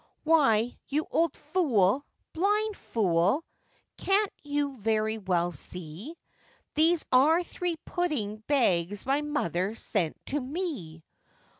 'Why, you old fool! blind fool! can't you very well see, These are three pudding bags my mother sent to me?